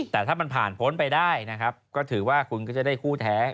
แต่ถ้ามันผ่านพ้นไปได้นะครับก็ถือว่าคุณก็จะได้คู่แท้